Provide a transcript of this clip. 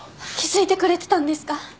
気付いてくれてたんですか？